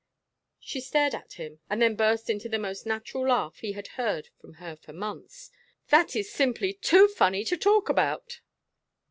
She stared at him and then burst into the most natural laugh he had heard from her for months. "That is simply too funny to talk about."